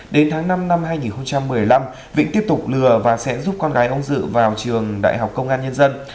đến tháng năm năm hai nghìn một mươi năm vĩnh tiếp tục lừa và sẽ giúp con gái ông dự vào trường đại học công an nhân dân